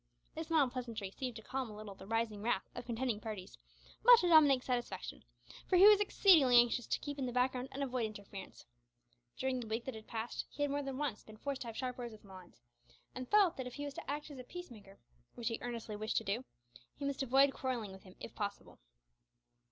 This mild pleasantry seemed to calm a little the rising wrath of contending parties, much to Dominick's satisfaction, for he was exceedingly anxious to keep in the background and avoid interference. During the week that had passed, he had more than once been forced to have sharp words with Malines, and felt that if he was to act as a peacemaker which he earnestly wished to do he must avoid quarrelling with him if possible.